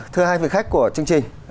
thưa hai vị khách của chương trình